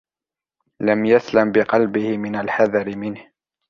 لَمْ يَسْلَمْ بِقَلْبِهِ مِنْ الْحَذَرِ مِنْهُ